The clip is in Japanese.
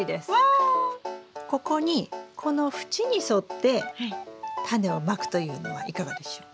ここにこの縁に沿ってタネをまくというのはいかがでしょう？